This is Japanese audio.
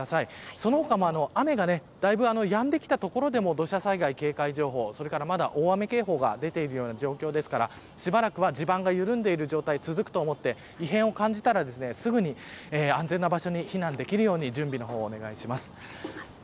その他も雨がだいぶやんできた所でも土砂災害警戒情報や大雨警報が出ている状況ですからしばらくは地盤が緩んでいる状況が続くと思って異変を感じたらすぐに安全な場所に避難できるように準備をお願いします。